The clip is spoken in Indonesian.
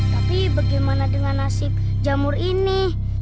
tapi bagaimana dengan nasib jamur ini